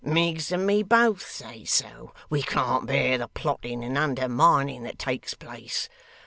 Miggs and me both say so. We can't bear the plotting and undermining that takes place.